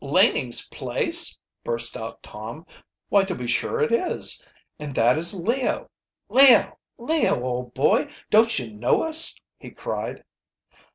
"Laning's place," burst out Tom. "Why, to be sure it is. And that is Leo! Leo! Leo! old boy, don't you know us?" he cried.